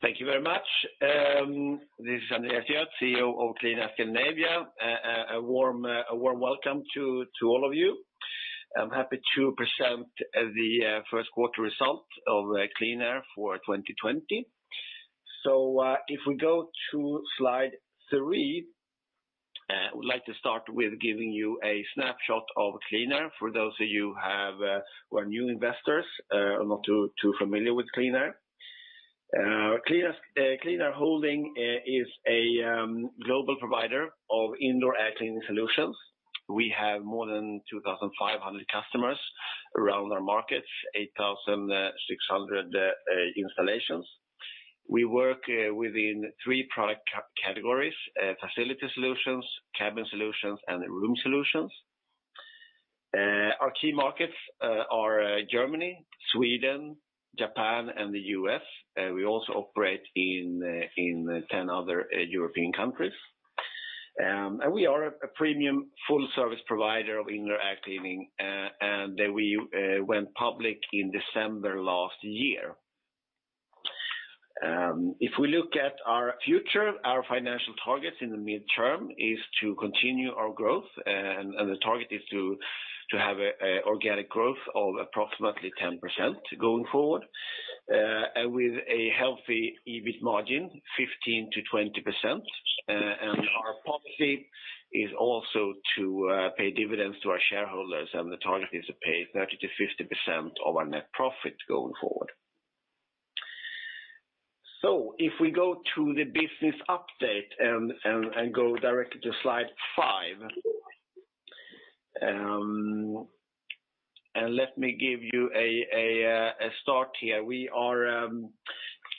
Thank you very much. This is Andreas Göth, CEO of QleanAir Scandinavia. A warm welcome to all of you. I'm happy to present the first quarter result of QleanAir for 2020. If we go to slide three, I would like to start with giving you a snapshot of QleanAir for those of you who are new investors or not too familiar with QleanAir. QleanAir Holding is a global provider of indoor air cleaning solutions. We have more than 2,500 customers around our markets, 8,600 installations. We work within three product categories, Facility Solutions, Cabin Solutions, and Room Solutions. Our key markets are Germany, Sweden, Japan, and the U.S. We also operate in 10 other European countries. We are a premium full-service provider of indoor air cleaning, and we went public in December last year. If we look at our future, our financial targets in the midterm is to continue our growth, the target is to have organic growth of approximately 10% going forward, with a healthy EBIT margin 15%-20%. Our policy is also to pay dividends to our shareholders, the target is to pay 30%-50% of our net profit going forward. If we go to the business update and go directly to slide five. Let me give you a start here. We are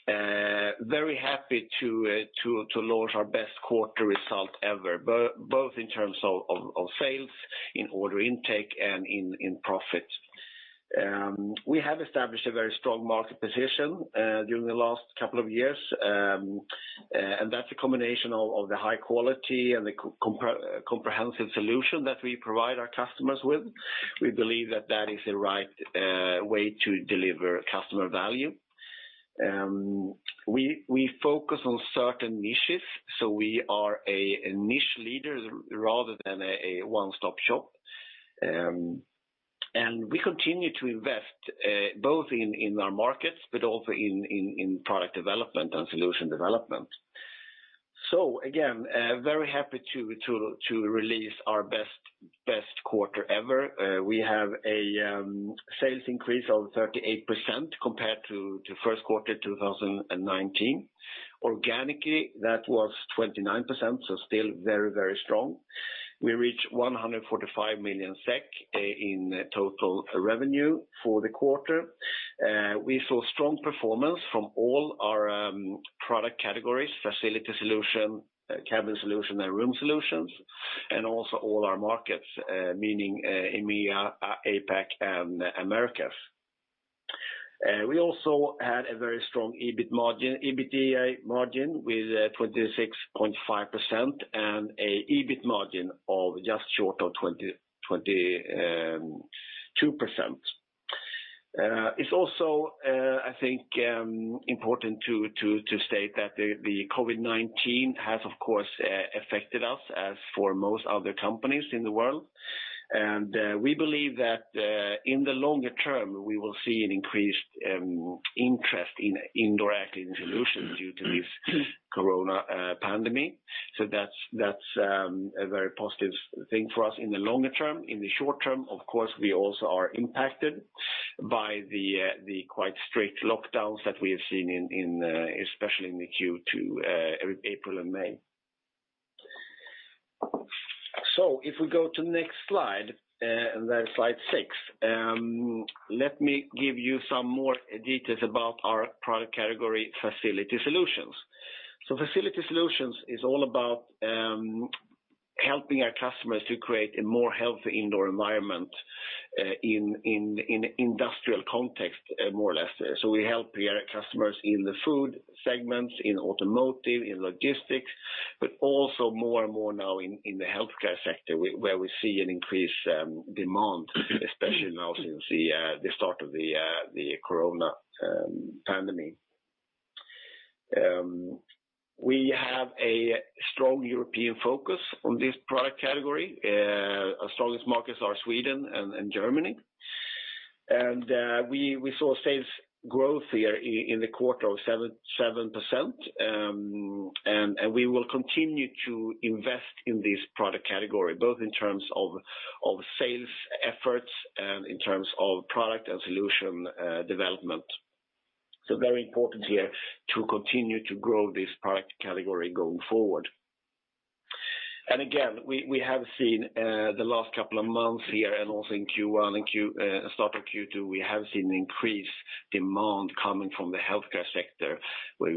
very happy to launch our best quarter result ever, both in terms of sales, in order intake, and in profit. We have established a very strong market position during the last couple of years, that's a combination of the high quality and the comprehensive solution that we provide our customers with. We believe that that is the right way to deliver customer value. We focus on certain niches, so we are a niche leader rather than a one-stop shop. We continue to invest both in our markets, but also in product development and solution development. Again, very happy to release our best quarter ever. We have a sales increase of 38% compared to first quarter 2019. Organically, that was 29%, so still very strong. We reached 145 million SEK in total revenue for the quarter. We saw strong performance from all our product categories, Facility Solutions, Cabin Solutions, and Room Solutions, and also all our markets, meaning EMEA, APAC, and Americas. We also had a very strong EBITDA margin with 26.5% and an EBIT margin of just short of 22%. It's also, I think, important to state that the COVID-19 has, of course, affected us as for most other companies in the world. We believe that in the longer term, we will see an increased interest in indoor air cleaning solutions due to this corona pandemic. That's a very positive thing for us in the longer term. In the short term, of course, we also are impacted by the quite strict lockdowns that we have seen especially in the Q2, April and May. If we go to next slide six, let me give you some more details about our product category, Facility Solutions. Facility Solutions is all about helping our customers to create a more healthy indoor environment in industrial context, more or less. We help our customers in the food segments, in automotive, in logistics, but also more and more now in the healthcare sector, where we see an increased demand, especially now since the start of the corona pandemic. We have a strong European focus on this product category. Our strongest markets are Sweden and Germany. We saw sales growth here in the quarter of 7%, and we will continue to invest in this product category, both in terms of sales efforts and in terms of product and solution development. Very important here to continue to grow this product category going forward. Again, we have seen the last couple of months here and also in Q1 and start of Q2, we have seen increased demand coming from the healthcare sector, where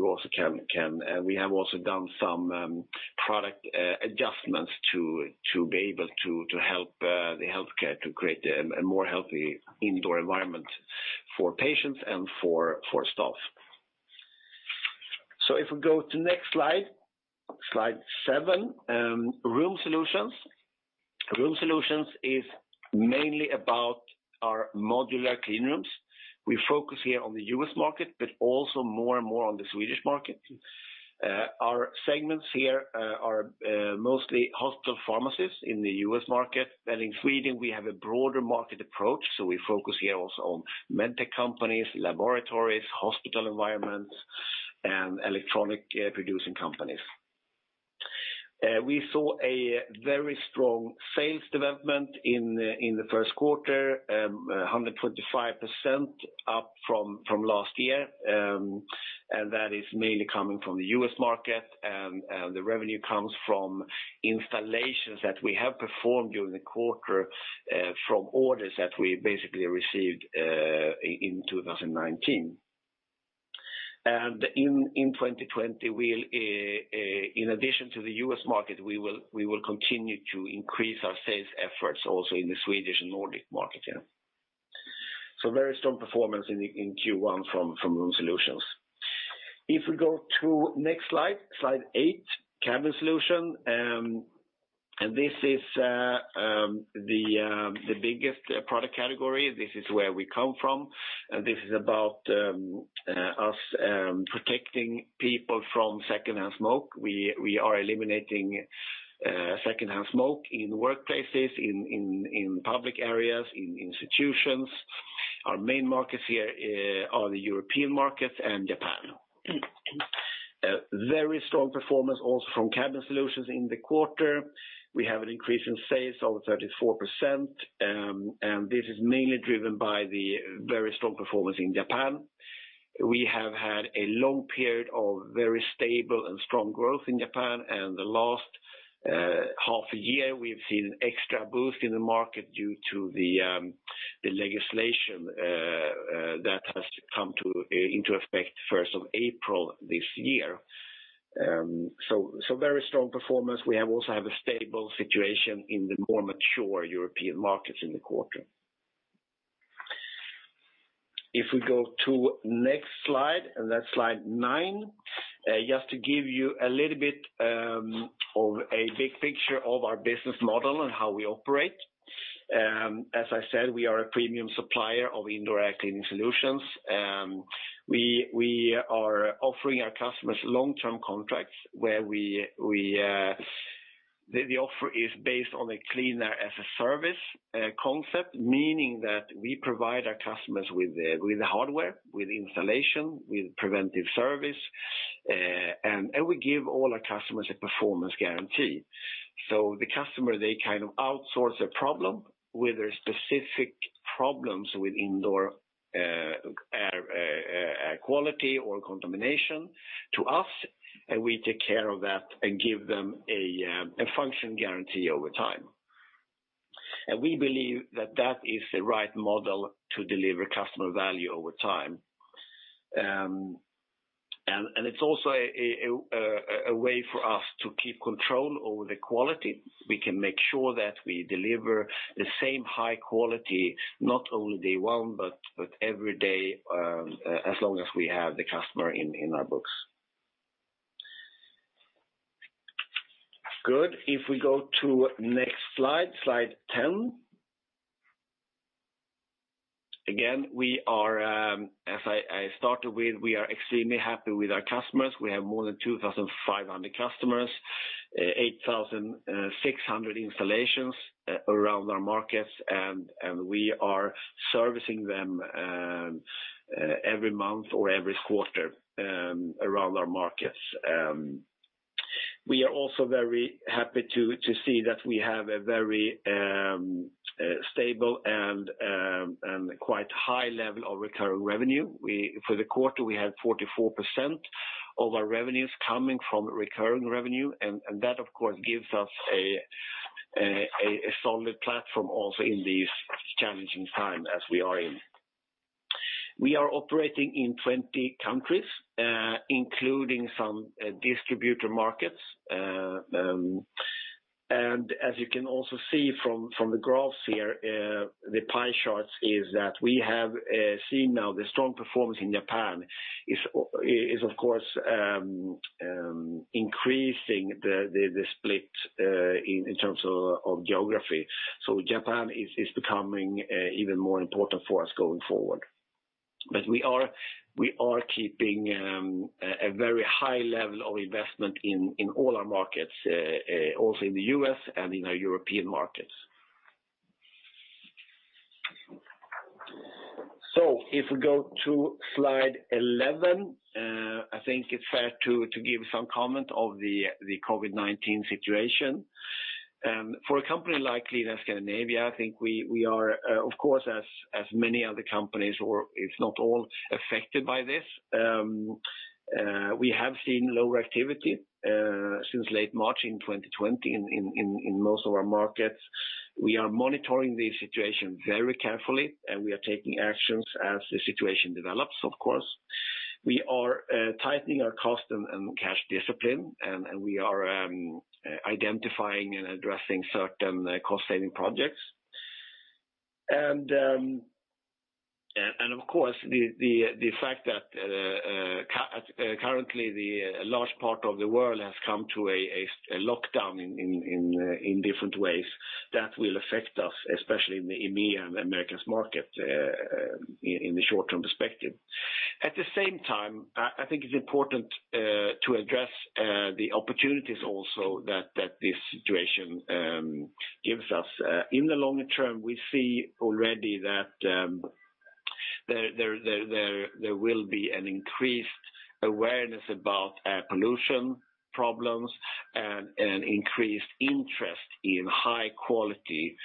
we have also done some product adjustments to be able to help the healthcare to create a more healthy indoor environment for patients and for staff. If we go to next slide seven, Room Solutions. Room Solutions is mainly about our modular clean rooms. We focus here on the U.S. market, but also more and more on the Swedish market. Our segments here are mostly hospital pharmacies in the U.S. market, and in Sweden we have a broader market approach, so we focus here also on medtech companies, laboratories, hospital environments, and electronic producing companies. We saw a very strong sales development in the first quarter, 125% up from last year. That is mainly coming from the U.S. market. The revenue comes from installations that we have performed during the quarter from orders that we basically received in 2019. In 2020, in addition to the U.S. market, we will continue to increase our sales efforts also in the Swedish and Nordic market. Very strong performance in Q1 from Room Solutions. If we go to next slide eight, Cabin Solutions. This is the biggest product category. This is where we come from. This is about us protecting people from secondhand smoke. We are eliminating secondhand smoke in workplaces, in public areas, in institutions. Our main markets here are the European markets and Japan. Very strong performance also from Cabin Solutions in the quarter. We have an increase in sales of 34%, and this is mainly driven by the very strong performance in Japan. We have had a long period of very stable and strong growth in Japan, and the last half a year, we have seen an extra boost in the market due to the legislation that has come into effect 1st of April this year. Very strong performance. We also have a stable situation in the more mature European markets in the quarter. If we go to next slide, and that's slide nine, just to give you a little bit of a big picture of our business model and how we operate. As I said, we are a premium supplier of indoor air cleaning solutions. We are offering our customers long-term contracts where the offer is based on a clean air as a service concept, meaning that we provide our customers with the hardware, with installation, with preventive service, and we give all our customers a performance guarantee. The customer, they kind of outsource a problem, whether specific problems with indoor air quality or contamination to us, and we take care of that and give them a function guarantee over time. We believe that that is the right model to deliver customer value over time. It's also a way for us to keep control over the quality. We can make sure that we deliver the same high quality, not only day one, but every day as long as we have the customer in our books. Good. If we go to next slide 10. Again, as I started with, we are extremely happy with our customers. We have more than 2,500 customers, 8,600 installations around our markets, and we are servicing them every month or every quarter around our markets. We are also very happy to see that we have a very stable and quite high level of recurring revenue. For the quarter, we had 44% of our revenues coming from recurring revenue, and that, of course, gives us a solid platform also in these challenging times as we are in. We are operating in 20 countries, including some distributor markets. As you can also see from the graphs here, the pie charts, is that we have seen now the strong performance in Japan is of course increasing the split in terms of geography. Japan is becoming even more important for us going forward. We are keeping a very high level of investment in all our markets, also in the U.S. and in our European markets. If we go to slide 11, I think it's fair to give some comment of the COVID-19 situation. For a company like QleanAir Scandinavia, I think we are, of course, as many other companies, or it's not all affected by this. We have seen lower activity since late March in 2020 in most of our markets. We are monitoring the situation very carefully, and we are taking actions as the situation develops, of course. We are tightening our cost and cash discipline, and we are identifying and addressing certain cost-saving projects. Of course, the fact that currently a large part of the world has come to a lockdown in different ways, that will affect us, especially in the EMEA and Americas market, in the short-term perspective. At the same time, I think it's important to address the opportunities also that this situation gives us. In the long term, we see already that there will be an increased awareness about air pollution problems and an increased interest in high-quality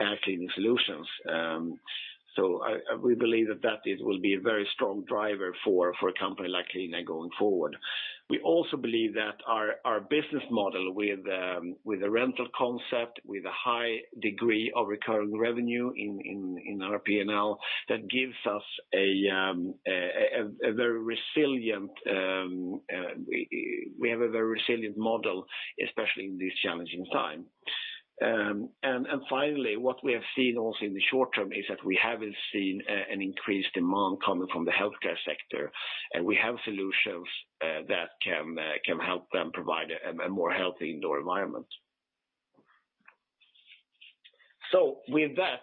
air cleaning solutions. We believe that it will be a very strong driver for a company like QleanAir going forward. We also believe that our business model with a rental concept, with a high degree of recurring revenue in our P&L, that gives us a very resilient model, especially in this challenging time. Finally, what we have seen also in the short term is that we have seen an increased demand coming from the healthcare sector, and we have solutions that can help them provide a more healthy indoor environment. With that,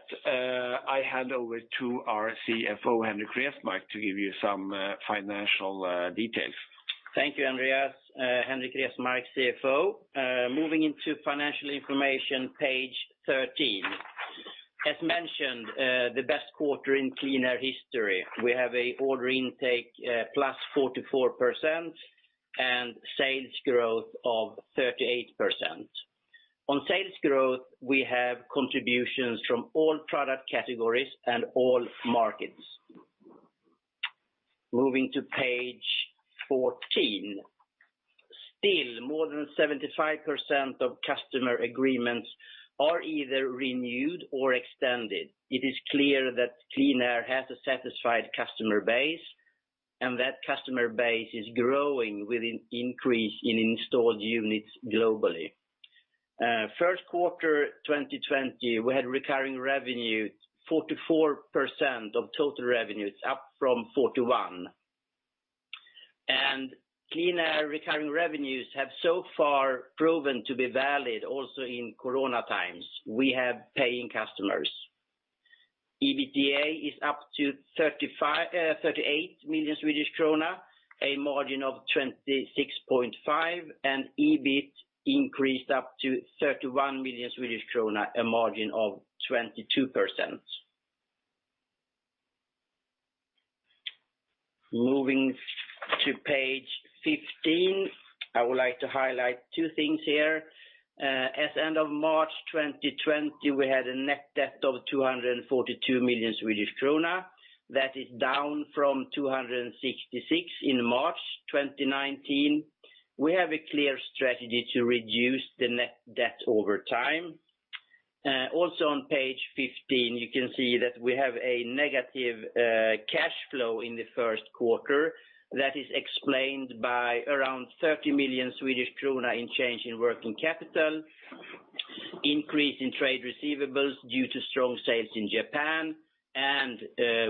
I hand over to our CFO, Henrik Resmark, to give you some financial details. Thank you, Andreas. Henrik Resmark, CFO. Moving into financial information, page 13. As mentioned, the best quarter in QleanAir history. We have an order intake +44% and sales growth of 38%. On sales growth, we have contributions from all product categories and all markets. Moving to page 14. Still more than 75% of customer agreements are either renewed or extended. It is clear that QleanAir has a satisfied customer base, and that customer base is growing with an increase in installed units globally. First quarter 2020, we had recurring revenue 44% of total revenues, up from 41%. QleanAir recurring revenues have so far proven to be valid also in corona times. We have paying customers. EBITDA is up to 38 million Swedish krona, a margin of 26.5%, and EBIT increased up to 31 million Swedish krona, a margin of 22%. Moving to page 15, I would like to highlight two things here. As end of March 2020, we had a net debt of 242 million Swedish krona. That is down from 266 in March 2019. We have a clear strategy to reduce the net debt over time. Also on page 15, you can see that we have a negative cash flow in the first quarter. That is explained by around 30 million Swedish krona in change in working capital, increase in trade receivables due to strong sales in Japan,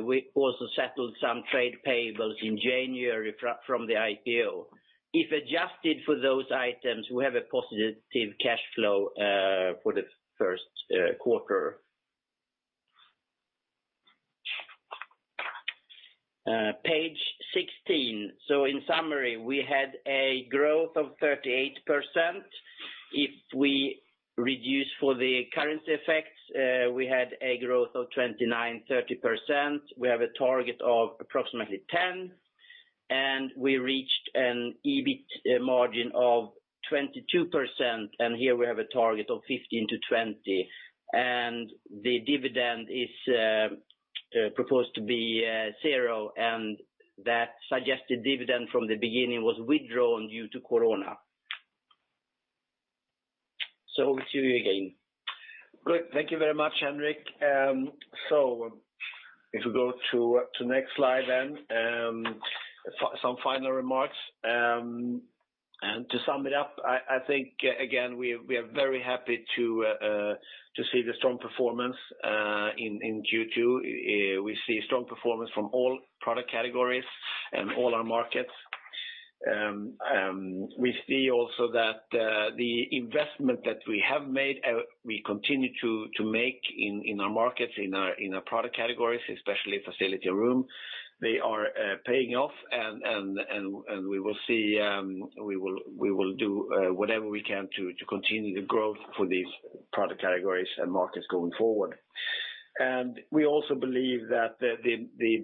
we also settled some trade payables in January from the IPO. If adjusted for those items, we have a positive cash flow for the first quarter. Page 16. In summary, we had a growth of 38%. If we reduce for the currency effects, we had a growth of 29%, 30%. We have a target of approximately 10. We reached an EBIT margin of 22%, and here we have a target of 15%-20%. The dividend is proposed to be zero, and that suggested dividend from the beginning was withdrawn due to Corona. Over to you again. Great. Thank you very much, Henrik. If we go to next slide, some final remarks. To sum it up, I think, again, we are very happy to see the strong performance in Q2. We see strong performance from all product categories and all our markets. We see also that the investment that we have made, we continue to make in our markets, in our product categories, especially Facility and Room, they are paying off, and we will do whatever we can to continue the growth for these product categories and markets going forward. We also believe that the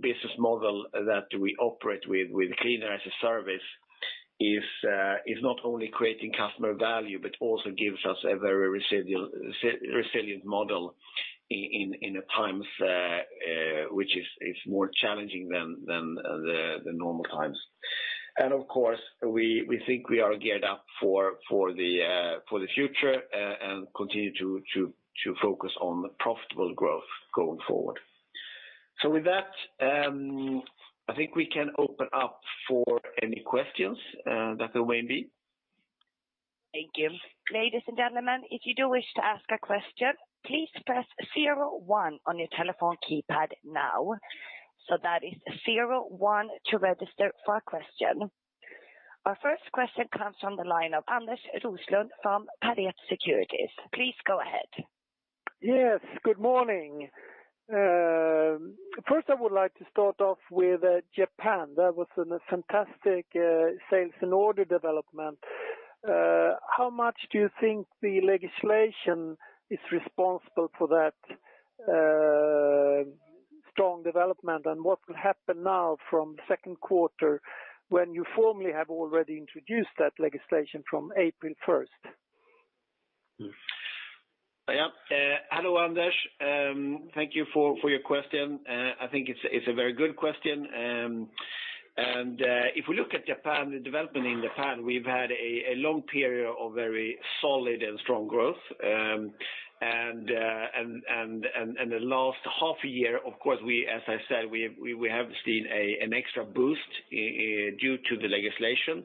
business model that we operate with Clean air as a service is not only creating customer value, but also gives us a very resilient model in a time which is more challenging than the normal times. Of course, we think we are geared up for the future and continue to focus on profitable growth going forward. With that, I think we can open up for any questions that there may be. Thank you. Ladies and gentlemen, if you do wish to ask a question, please press zero one on your telephone keypad now. That is zero one to register for a question. Our first question comes from the line of Anders Roslund from Pareto Securities. Please go ahead. Yes, good morning. I would like to start off with Japan. That was a fantastic sales and order development. How much do you think the legislation is responsible for that strong development? What will happen now from the second quarter when you formally have already introduced that legislation from April 1st? Hello, Anders. Thank you for your question. I think it's a very good question. If we look at Japan, the development in Japan, we've had a long period of very solid and strong growth. The last half a year, of course, as I said, we have seen an extra boost due to the legislation.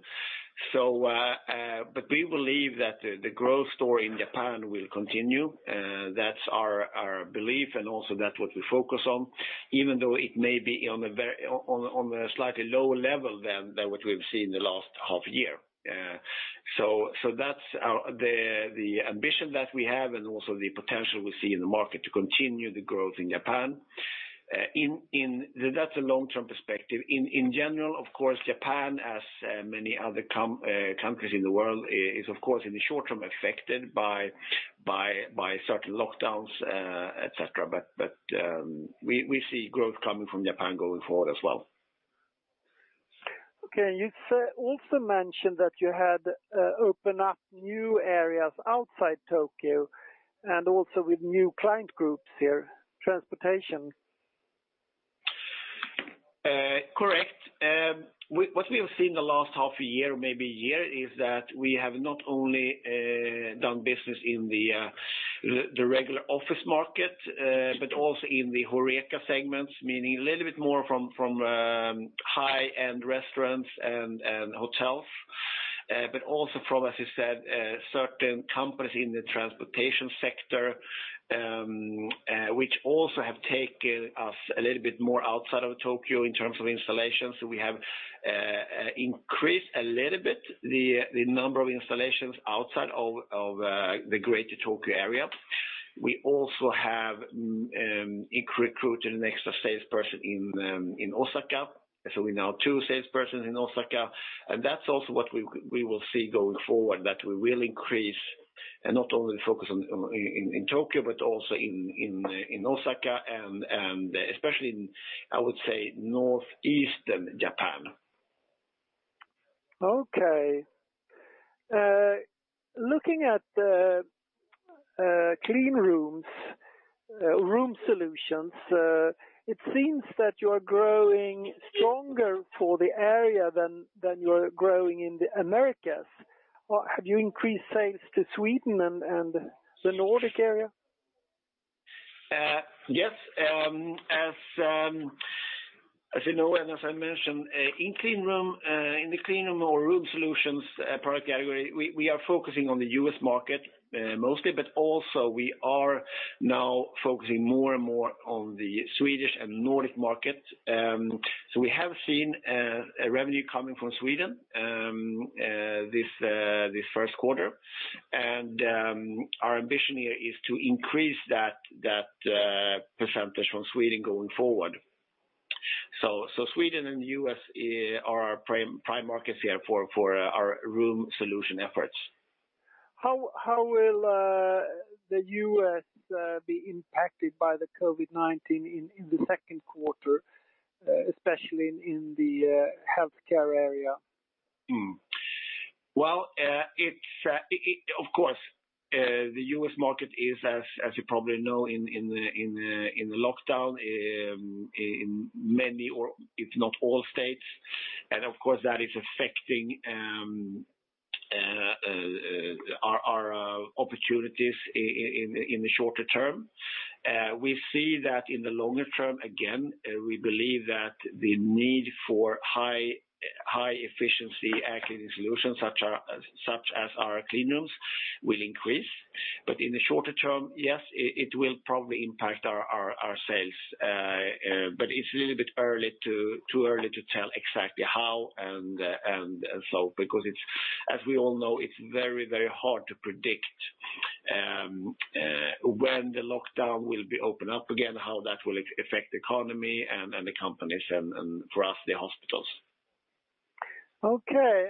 We believe that the growth story in Japan will continue. That's our belief and also that's what we focus on, even though it may be on a slightly lower level than what we've seen in the last half year. That's the ambition that we have and also the potential we see in the market to continue the growth in Japan. That's a long-term perspective. In general, of course, Japan, as many other countries in the world, is of course in the short term affected by certain lockdowns, et cetera, but we see growth coming from Japan going forward as well. Okay. You also mentioned that you had opened up new areas outside Tokyo and also with new client groups there, transportation. Correct. What we have seen in the last half a year, maybe a year, is that we have not only done business in the regular office market, but also in the HORECA segments, meaning a little bit more from high-end restaurants and hotels. Also from, as you said, certain companies in the transportation sector, which also have taken us a little bit more outside of Tokyo in terms of installations. We have increased a little bit the number of installations outside of the greater Tokyo area. We also have recruited an extra salesperson in Osaka, so we now have two salespersons in Osaka. That's also what we will see going forward, that we will increase and not only focus in Tokyo but also in Osaka and especially in, I would say, northeastern Japan. Okay. Looking at the clean rooms, Room Solutions, it seems that you're growing stronger for the area than you're growing in the Americas. Have you increased sales to Sweden and the Nordic area? Yes. As you know, and as I mentioned, in the clean room or Room Solutions product category, we are focusing on the U.S. market mostly, but also we are now focusing more and more on the Swedish and Nordic market. We have seen revenue coming from Sweden this first quarter. Our ambition here is to increase that percentage from Sweden going forward. Sweden and the U.S. are our prime markets here for our Room Solution efforts. How will the U.S. be impacted by the COVID-19 in the second quarter, especially in the healthcare area? Well of course, the U.S. market is, as you probably know, in lockdown in many or if not all states, and of course that is affecting our opportunities in the shorter term. We see that in the longer term, again, we believe that the need for high-efficiency air cleaning solutions such as our clean rooms will increase. In the shorter term, yes, it will probably impact our sales. It's a little bit too early to tell exactly how and so, because as we all know, it's very hard to predict when the lockdown will be opened up again, how that will affect the economy and the companies and for us, the hospitals. Okay.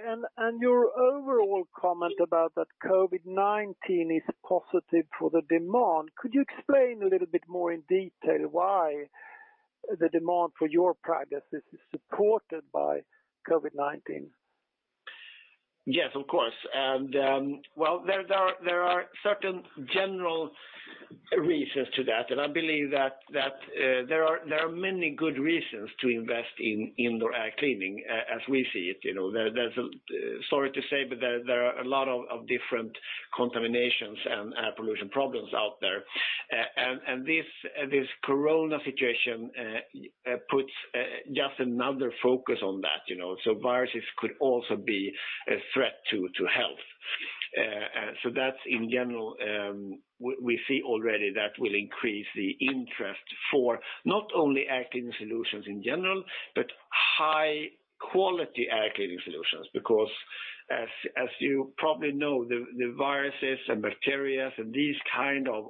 Your overall comment about that COVID-19 is positive for the demand, could you explain a little bit more in detail why the demand for your products is supported by COVID-19? Yes, of course. Well, there are certain general reasons to that. I believe that there are many good reasons to invest in indoor air cleaning as we see it. Sorry to say, there are a lot of different contaminations and air pollution problems out there. This Corona situation puts just another focus on that. Viruses could also be a threat to health. That in general, we see already that will increase the interest for not only air cleaning solutions in general, but high quality air cleaning solutions, because as you probably know, the viruses and bacterias and these kind of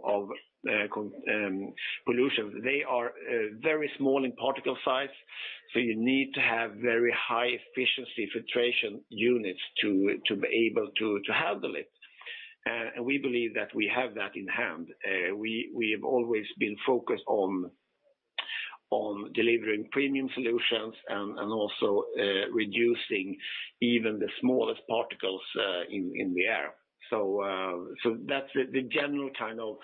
pollution, they are very small in particle size, so you need to have very high efficiency filtration units to be able to handle it. We believe that we have that in hand. We have always been focused on delivering premium solutions and also reducing even the smallest particles in the air. That's the general kind of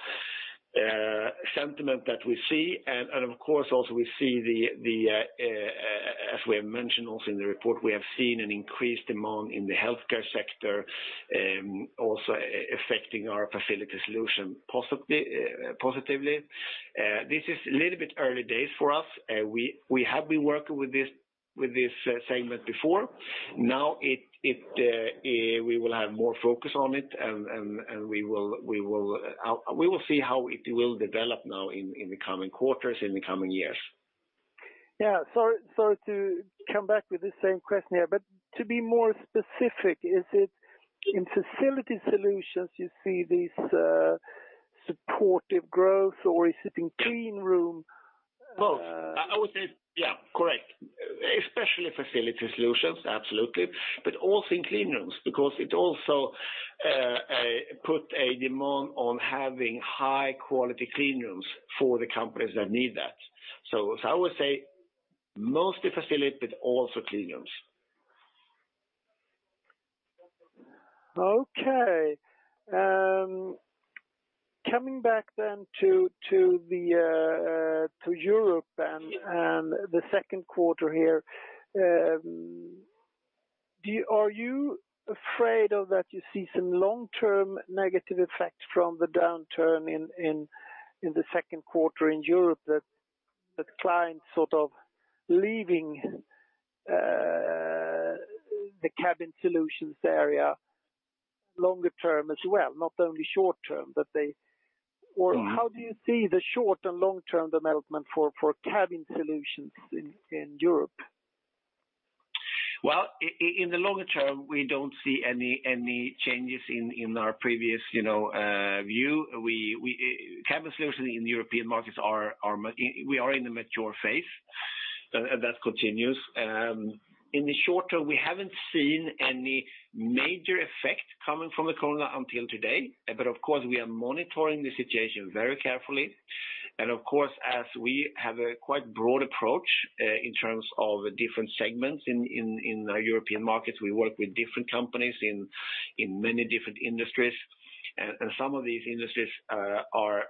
sentiment that we see. Of course, also we see as we have mentioned also in the report, we have seen an increased demand in the healthcare sector, also affecting our Facility Solutions positively. This is a little bit early days for us. We have been working with this segment before. We will have more focus on it and we will see how it will develop now in the coming quarters, in the coming years. Sorry to come back with the same question here, but to be more specific, is it in Facility Solutions you see this supportive growth, or is it in clean room? Both. I would say yeah, correct. Especially Facility Solutions, absolutely. Also in clean rooms, because it also put a demand on having high quality clean rooms for the companies that need that. I would say mostly facility, but also clean rooms. Okay. Coming back to Europe and the second quarter here. Are you afraid of that you see some long-term negative effect from the downturn in the second quarter in Europe that clients sort of leaving the Cabin Solutions area longer term as well, not only short term? How do you see the short- and long-term development for Cabin Solutions in Europe? In the longer term, we don't see any changes in our previous view. Cabin Solutions in the European markets, we are in a mature phase, and that continues. In the short term, we haven't seen any major effect coming from the Corona until today. Of course, we are monitoring the situation very carefully. Of course, as we have a quite broad approach in terms of different segments in European markets, we work with different companies in many different industries. Some of these industries are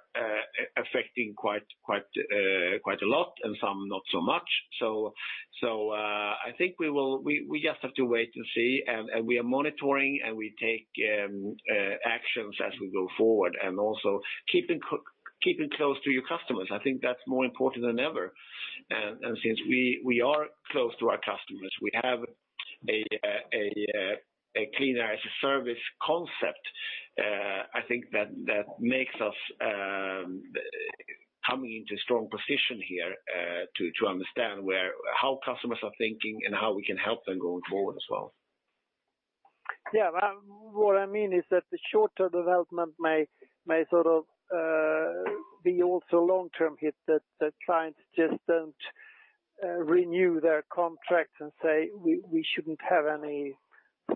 affecting quite a lot and some not so much. I think we just have to wait and see, and we are monitoring, and we take actions as we go forward. Also keeping close to your customers, I think that's more important than ever. Since we are close to our customers, we have a Clean air as a service concept, I think that makes us come into a strong position here to understand how customers are thinking and how we can help them going forward as well. Yeah. What I mean is that the short-term development may sort of be also long-term hit that clients just don't renew their contracts and say, "We shouldn't have any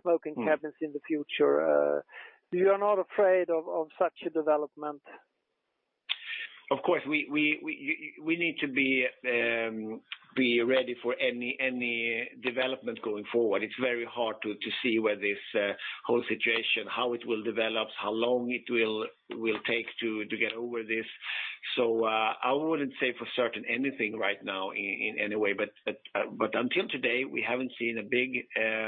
smoking cabins in the future." You are not afraid of such a development? Of course, we need to be ready for any development going forward. It's very hard to see where this whole situation, how it will develop, how long it will take to get over this. I wouldn't say for certain anything right now in any way. Until today, we haven't seen a big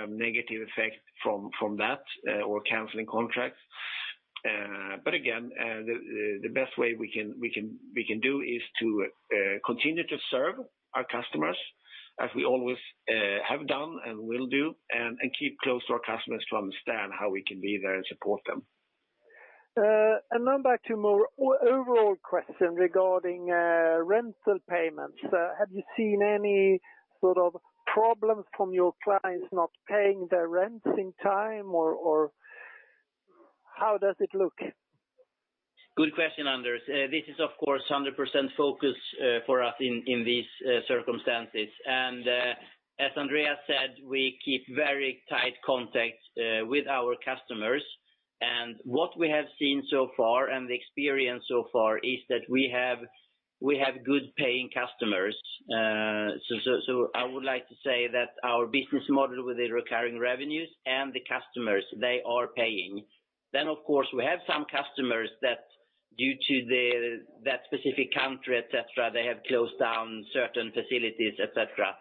negative effect from that or canceling contracts. Again, the best way we can do is to continue to serve our customers as we always have done and will do, and keep close to our customers to understand how we can be there and support them. Now back to more overall question regarding rental payments. Have you seen any sort of problems from your clients not paying their rents in time? Or how does it look? Good question, Anders. This is of course 100% focus for us in these circumstances. As Andreas Göth, we keep very tight contact with our customers. What we have seen so far and the experience so far is that we have good paying customers. I would like to say that our business model with the recurring revenues and the customers, they are paying. Of course, we have some customers that- Due to that specific country, et cetera, they have closed down certain facilities, et cetera.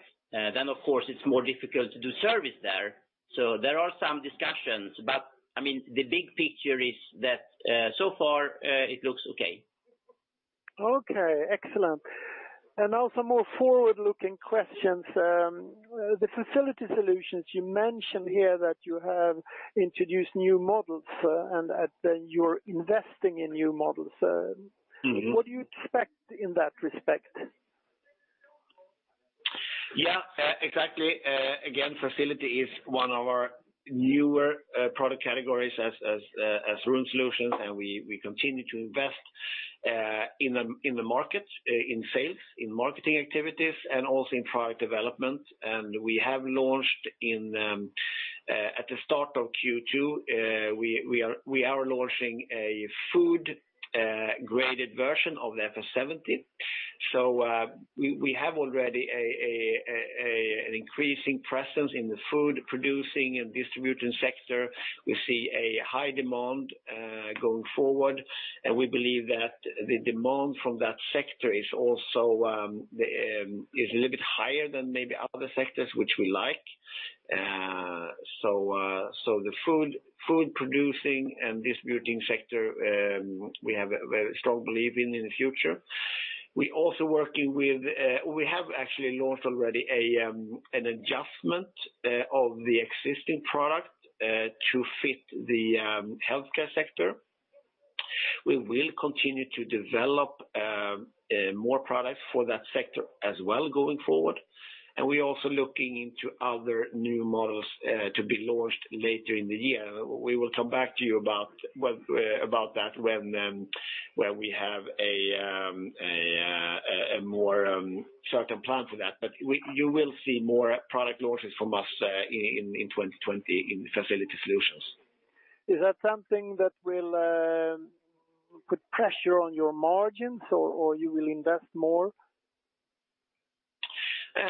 Of course it's more difficult to do service there. There are some discussions. The big picture is that so far it looks okay. Okay, excellent. Also more forward-looking questions. The Facility Solutions you mentioned here that you have introduced new models, and that then you're investing in new models. What do you expect in that respect? Yeah. Exactly. Again, Facility is one of our newer product categories as Room Solutions, we continue to invest in the market, in sales, in marketing activities, and also in product development. We have launched at the start of Q2, we are launching a food-graded version of the FS 70. We have already an increasing presence in the food-producing and distributing sector. We see a high demand going forward, we believe that the demand from that sector is a little bit higher than maybe other sectors, which we like. The food-producing and distributing sector, we have a very strong belief in the future. We have actually launched already an adjustment of the existing product to fit the healthcare sector. We will continue to develop more products for that sector as well going forward. We're also looking into other new models to be launched later in the year. We will come back to you about that when we have a more certain plan for that. You will see more product launches from us in 2020 in Facility Solutions. Is that something that will put pressure on your margins or you will invest more?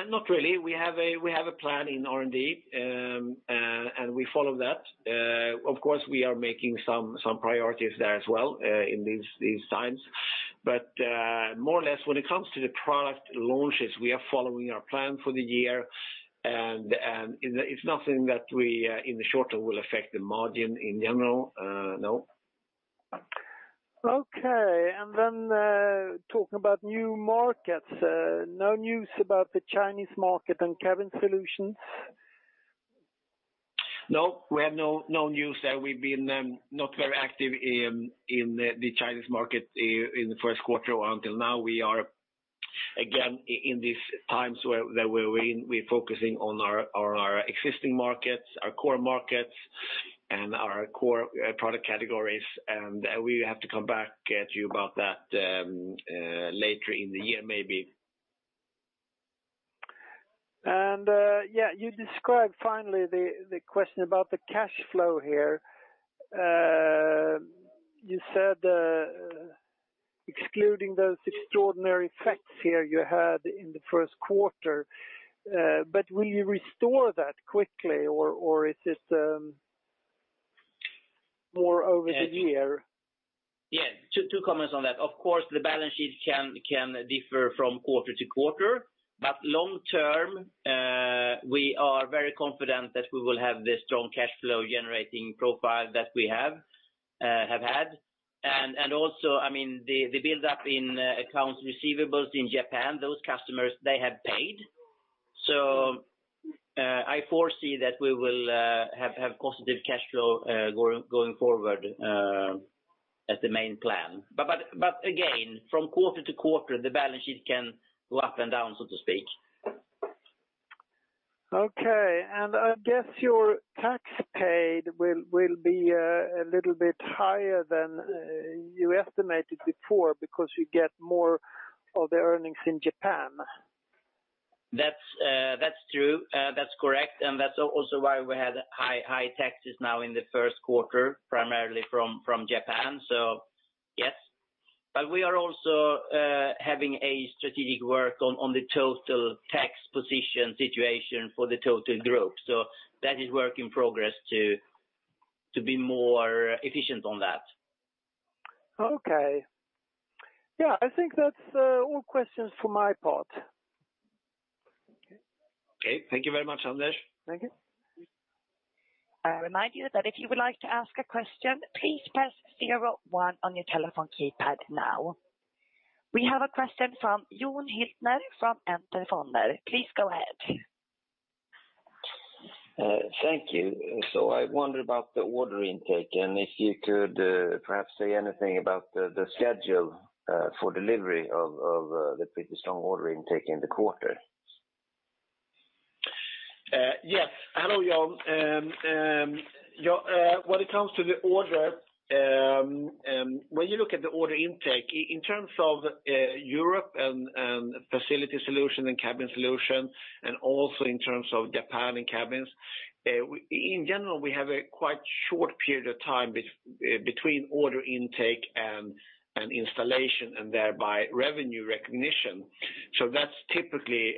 Not really. We have a plan in R&D, and we follow that. Of course, we are making some priorities there as well in these times. More or less when it comes to the product launches, we are following our plan for the year, and it's nothing that we in the short term will affect the margin in general. No. Okay. Talking about new markets, no news about the Chinese market and Cabin Solutions? No. We have no news there. We've been not very active in the Chinese market in the first quarter or until now. We are, again, in these times where we're focusing on our existing markets, our core markets, and our core product categories. We have to come back at you about that later in the year maybe. You described finally the question about the cash flow here. You said excluding those extraordinary effects here you had in the first quarter, but will you restore that quickly or is it more over the year? Yeah. Two comments on that. Of course, the balance sheet can differ from quarter to quarter, long term, we are very confident that we will have the strong cash flow generating profile that we have had. Also, the build-up in accounts receivables in Japan, those customers, they have paid. I foresee that we will have positive cash flow going forward as the main plan. Again, from quarter to quarter, the balance sheet can go up and down, so to speak. Okay. I guess your tax paid will be a little bit higher than you estimated before because you get more of the earnings in Japan. That's true. That's correct. That's also why we had high taxes now in the first quarter, primarily from Japan. Yes. We are also having a strategic work on the total tax position situation for the total group. That is work in progress to be more efficient on that. Okay. Yeah, I think that's all questions for my part. Okay. Thank you very much, Anders. Thank you. I remind you that if you would like to ask a question, please press zero one on your telephone keypad now. We have a question from Jon Hyltner from Enter Fonder. Please go ahead. Thank you. I wonder about the order intake, and if you could perhaps say anything about the schedule for delivery of the pretty strong order intake in the quarter? Yes. Hello, Jon. When it comes to the order, when you look at the order intake, in terms of Europe and Facility Solutions and Cabin Solutions, and also in terms of Japan and cabins, in general, we have a quite short period of time between order intake and installation, and thereby revenue recognition. That's typically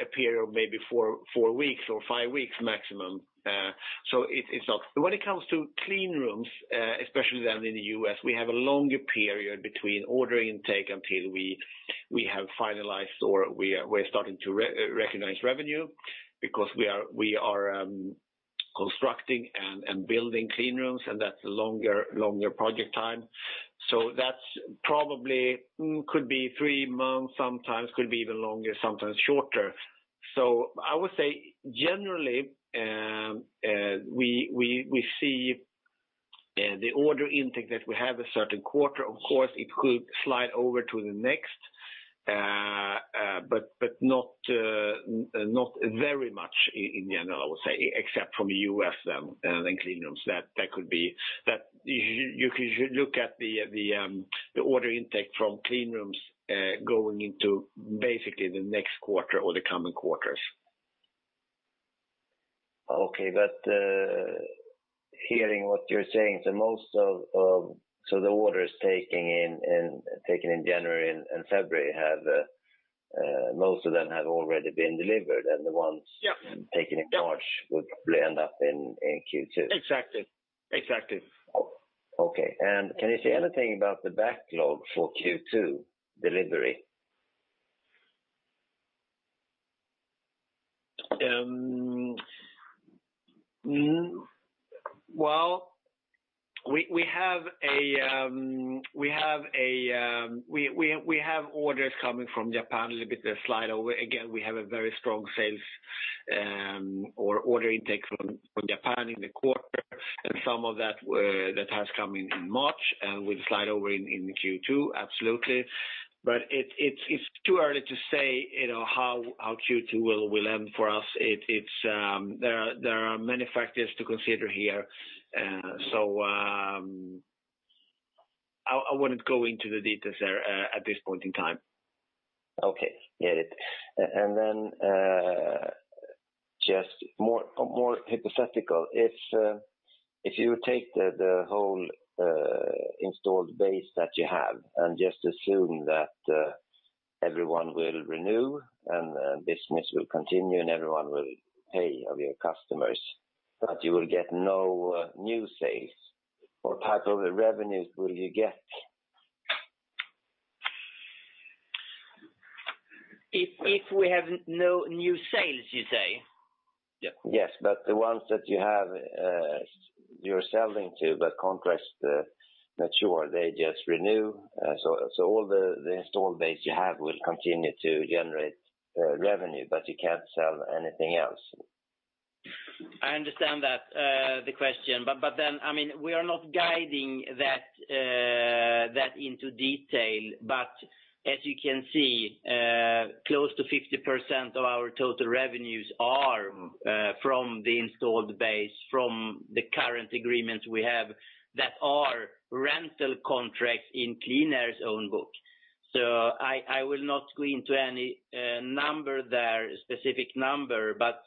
a period of maybe four weeks or five weeks maximum. When it comes to clean rooms, especially then in the U.S., we have a longer period between order intake until we have finalized or we're starting to recognize revenue because we are constructing and building clean rooms, and that's a longer project time. That probably could be three months sometimes, could be even longer, sometimes shorter. I would say generally, we see the order intake that we have a certain quarter, of course, it could slide over to the next, but not very much in general, I would say, except from the U.S. then, and clean rooms. You could look at the order intake from clean rooms, going into basically the next quarter or the coming quarters. Okay. Hearing what you're saying, the orders taken in January and February, most of them have already been delivered. Yeah Taken in March would probably end up in Q2. Exactly. Okay. Can you say anything about the backlog for Q2 delivery? Well, we have orders coming from Japan a little bit that slide over. Again, we have a very strong sales or order intake from Japan in the quarter, and some of that has come in in March and will slide over in Q2. Absolutely. It's too early to say how Q2 will end for us. There are many factors to consider here. I wouldn't go into the details there at this point in time. Okay. Get it. Then just more hypothetical. If you take the whole installed base that you have and just assume that everyone will renew and business will continue and everyone will pay, all your customers, but you will get no new sales, what type of revenues will you get? If we have no new sales, you say? The ones that you're selling to, the contracts mature, they just renew. All the installed base you have will continue to generate revenue, but you can't sell anything else. I understand that, the question. We are not guiding that into detail. As you can see, close to 50% of our total revenues are from the installed base, from the current agreements we have that are rental contracts in QleanAir's own book. I will not go into any number there, specific number, but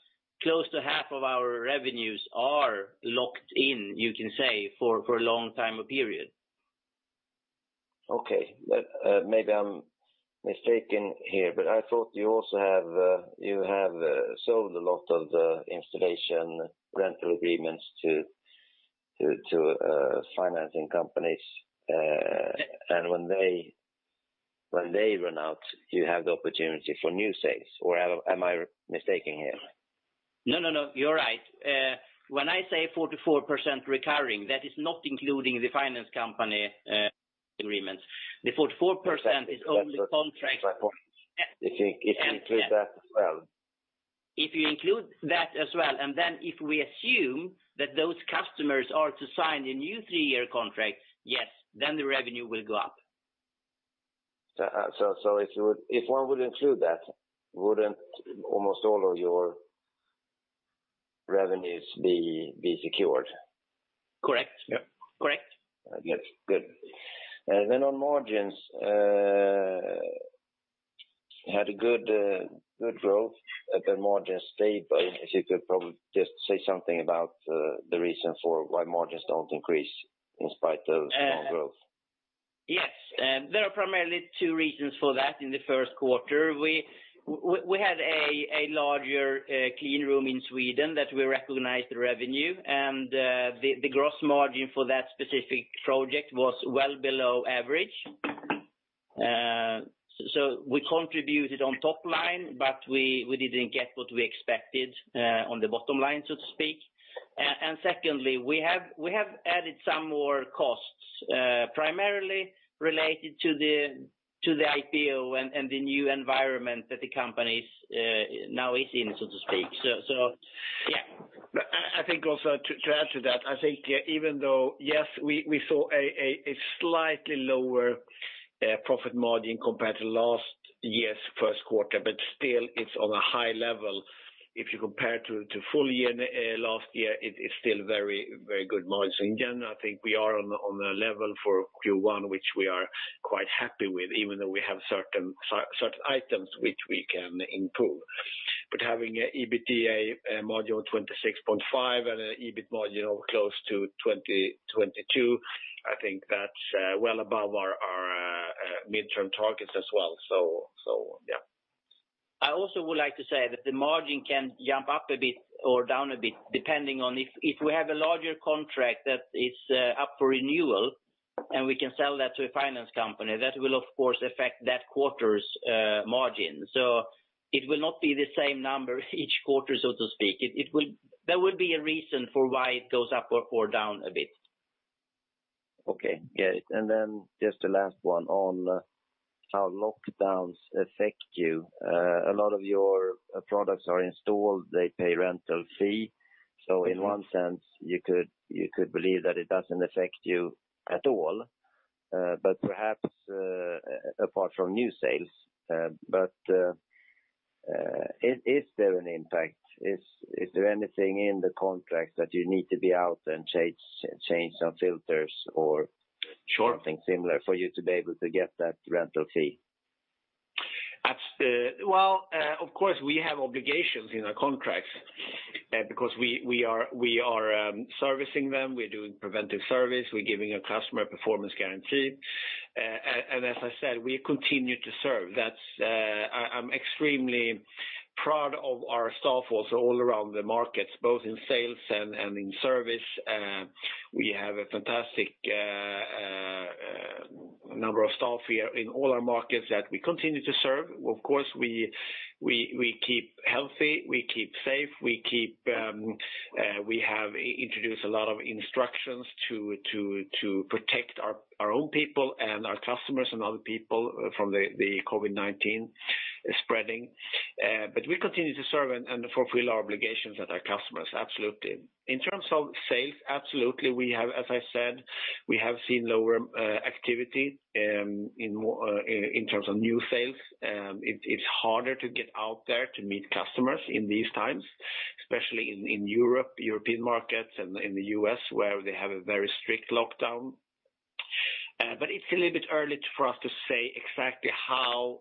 close to half of our revenues are locked in, you can say, for a long time or period. Okay. Maybe I'm mistaken here, I thought you have sold a lot of the installation rental agreements to financing companies. When they run out, you have the opportunity for new sales or am I mistaken here? No, you're right. When I say 44% recurring, that is not including the finance company agreements. The 44% is only contracts. That's my point. If you include that as well. If you include that as well, and then if we assume that those customers are to sign a new three-year contract, yes, then the revenue will go up. If one would include that, wouldn't almost all of your revenues be secured? Correct. Good. On margins, had a good growth, but the margin stayed. If you could probably just say something about the reason for why margins don't increase in spite of strong growth. There are primarily two reasons for that in the first quarter. We had a larger clean room in Sweden that we recognized the revenue, the gross margin for that specific project was well below average. We contributed on top line, we didn't get what we expected on the bottom line, so to speak. Secondly, we have added some more costs, primarily related to the IPO and the new environment that the company now is in, so to speak. Yeah. I think also to add to that, I think even though, yes, we saw a slightly lower profit margin compared to last year's first quarter, still it's on a high level. If you compare to full year last year, it is still very good margin. In general, I think we are on a level for Q1, which we are quite happy with, even though we have certain items which we can improve. Having an EBITDA margin of 26.5% and an EBIT margin of close to 22%, I think that's well above our midterm targets as well. Yeah. I also would like to say that the margin can jump up a bit or down a bit, depending on if we have a larger contract that is up for renewal and we can sell that to a finance company, that will, of course, affect that quarter's margin. It will not be the same number each quarter, so to speak. There will be a reason for why it goes up or down a bit. Okay. Great. Just the last one on how lockdowns affect you. A lot of your products are installed, they pay rental fee. In one sense, you could believe that it doesn't affect you at all, but perhaps apart from new sales. Is there an impact? Is there anything in the contract that you need to be out and change some filters? Sure Something similar for you to be able to get that rental fee? We have obligations in our contracts because we are servicing them, we're doing preventive service, we're giving a customer a performance guarantee. We continue to serve. I'm extremely proud of our staff also all around the markets, both in sales and in service. We have a fantastic number of staff here in all our markets that we continue to serve. We keep healthy, we keep safe. We have introduced a lot of instructions to protect our own people and our customers and other people from the COVID-19 spreading. We continue to serve and fulfill our obligations at our customers, absolutely. In terms of sales, absolutely, as I said, we have seen lower activity in terms of new sales. It's harder to get out there to meet customers in these times, especially in European markets and in the U.S. where they have a very strict lockdown. It's a little bit early for us to say exactly how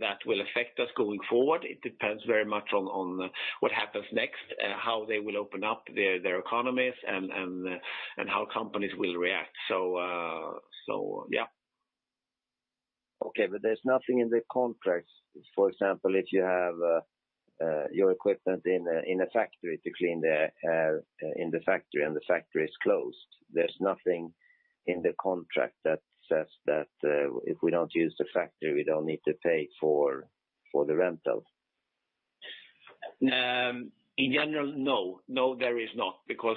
that will affect us going forward. It depends very much on what happens next, how they will open up their economies and how companies will react. Yeah. Okay. There's nothing in the contracts, for example, if you have your equipment in a factory to clean the air in the factory and the factory is closed, there's nothing in the contract that says that if we don't use the factory, we don't need to pay for the rental. In general, no. No, there is not because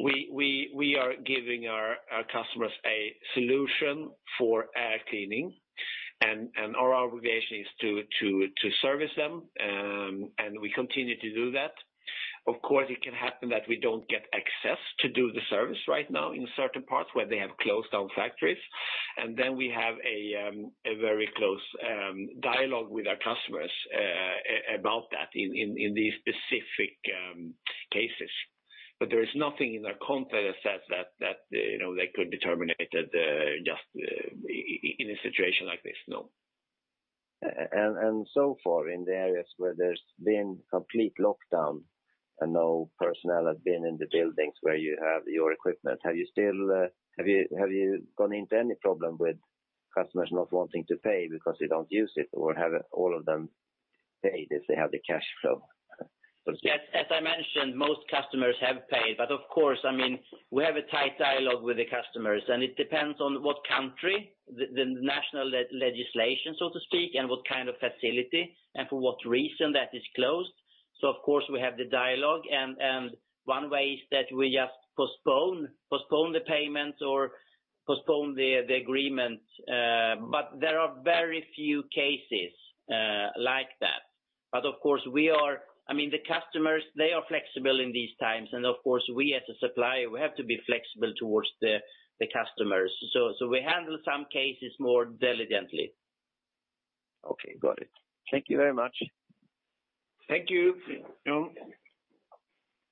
we are giving our customers a solution for air cleaning, and our obligation is to service them, and we continue to do that. Of course, it can happen that we don't get access to do the service right now in certain parts where they have closed down factories. Then we have a very close dialogue with our customers about that in these specific cases. There is nothing in our contract that says that they could be terminated just in a situation like this, no. So far in the areas where there's been complete lockdown and no personnel have been in the buildings where you have your equipment, have you gone into any problem with customers not wanting to pay because they don't use it or have all of them paid if they have the cash flow? As I mentioned, most customers have paid. Of course, we have a tight dialogue with the customers, and it depends on what country, the national legislation, so to speak, and what kind of facility, and for what reason that is closed. Of course, we have the dialogue, and one way is that we just postpone the payment or postpone the agreement. There are very few cases like that. Of course, the customers, they are flexible in these times, and of course, we as a supplier, we have to be flexible towards the customers. We handle some cases more diligently. Okay, got it. Thank you very much. Thank you. Sure.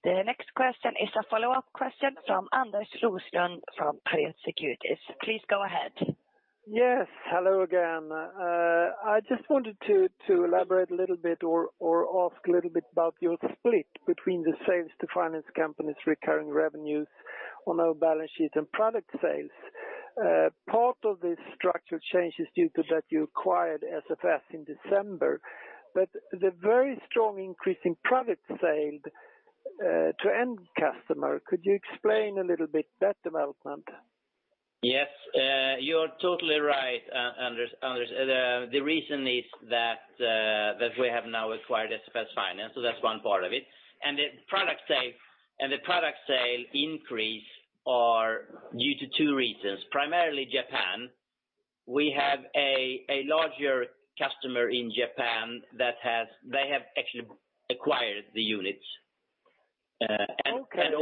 The next question is a follow-up question from Anders Roslund from Pareto Securities. Please go ahead. Yes, hello again. I just wanted to elaborate a little bit or ask a little bit about your split between the sales to finance companies, recurring revenues on our balance sheet and product sales. Part of this structural change is due to that you acquired SFS in December, but the very strong increase in product sales to end customer, could you explain a little bit that development? Yes. You're totally right, Anders. The reason is that we have now acquired SFS Finance, so that's one part of it. The product sale increase are due to two reasons. Primarily Japan. We have a larger customer in Japan, they have actually acquired the units. Okay.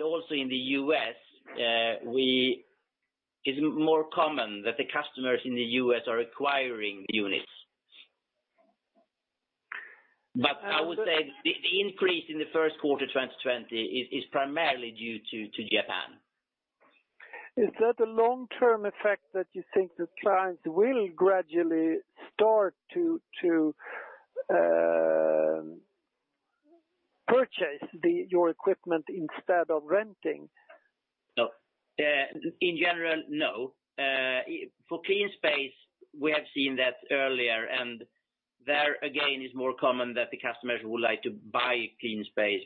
Also in the U.S., it's more common that the customers in the U.S. are acquiring the units. I would say the increase in the first quarter 2020 is primarily due to Japan. Is that a long-term effect that you think the clients will gradually start to purchase your equipment instead of renting? In general, no. For QleanSpace, we have seen that earlier, and there again, it's more common that the customers would like to buy QleanSpace.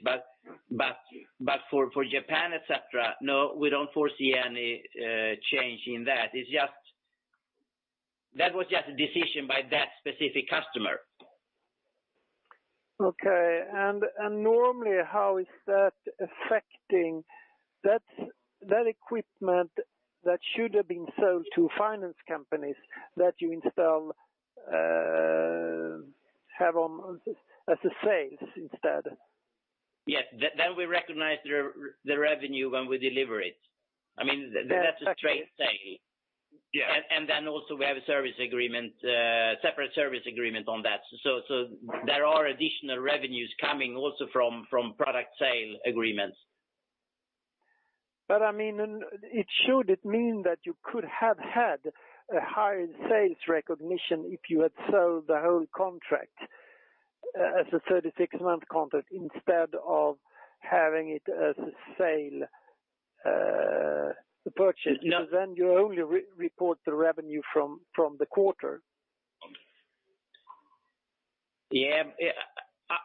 For Japan, et cetera, no, we don't foresee any change in that. That was just a decision by that specific customer. Okay. Normally, how is that affecting that equipment that should have been sold to finance companies that you install have as a sale instead? Yes. We recognize the revenue when we deliver it. That's a straight sale. Yes. Also we have a separate service agreement on that. There are additional revenues coming also from product sale agreements. It should mean that you could have had a higher sales recognition if you had sold the whole contract as a 36-month contract instead of having it as a sale, the purchase. Then you only report the revenue from the quarter. Yes.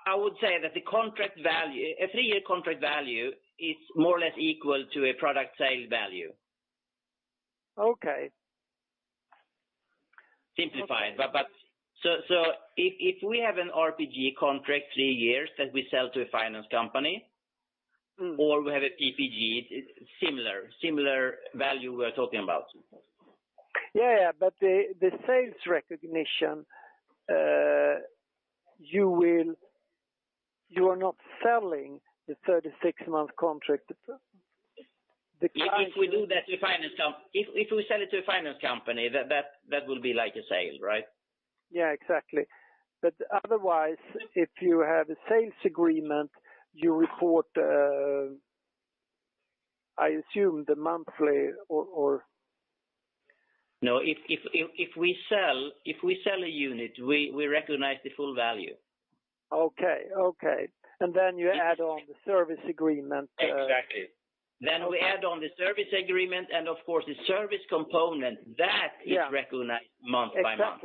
I would say that a three-year contract value is more or less equal to a product sale value. Okay. Simplified. If we have an RPG contract three years that we sell to a finance company or we have a PPG, similar value we're talking about. Yes. The sales recognition, you are not selling the 36-month contract. If we sell it to a finance company, that will be like a sale, right? Yes, exactly. Otherwise, if you have a sales agreement, you report, I assume, the monthly or. No, if we sell a unit, we recognize the full value. Okay. You add on the service agreement. Exactly. We add on the service agreement, and of course, the service component, that is recognized month by month.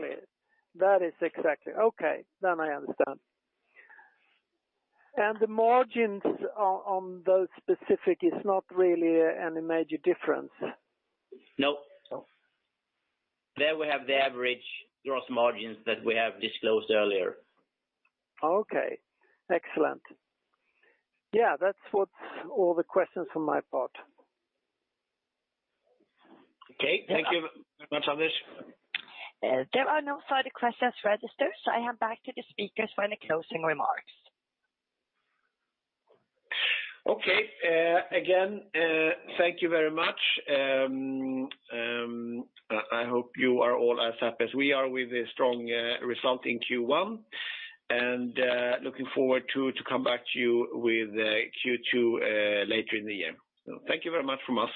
Exactly. Okay, then I understand. The margins on those specific is not really any major difference? No. There we have the average gross margins that we have disclosed earlier. Okay. Excellent. That's all the questions from my part. Okay. Thank you very much, Anders. There are no further questions registered, so I hand back to the speakers for any closing remarks. Okay. Again, thank you very much. I hope you are all as happy as we are with the strong result in Q1, and looking forward to come back to you with Q2 later in the year. Thank you very much from us.